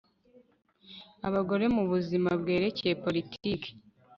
abagore mu buzima bwerekeye politiki